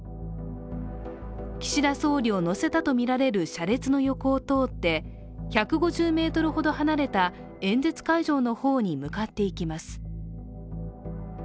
岸田総理を乗せたとみられる車列の横を通って１５０ｍほど離れた演説会場の方に向かっていきます。